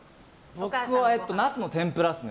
僕はナスの天ぷらっすね。